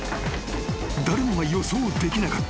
［誰もが予想できなかった］